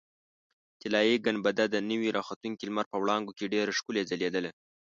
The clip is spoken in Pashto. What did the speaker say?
طلایي ګنبده د نوي راختونکي لمر په وړانګو کې ډېره ښکلې ځلېدله.